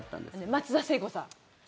松田聖子さん。